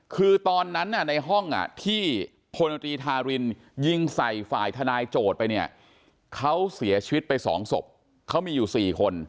คือตอนนั้นในห้องที่พลตรีทารินยิงใส่ฝ่ายทนายโจทย์ไปเนี่ยเขาเสียชีวิตไป๒ศพเขามีอยู่๔คน